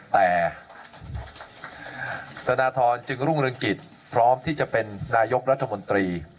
แต่ธนทรจึงรุ่งเรืองกิจพร้อมที่จะเป็นนายกรัฐมนตรี